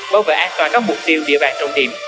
bảo vệ an toàn các mục tiêu địa bàn trọng điểm